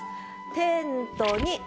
「テントに」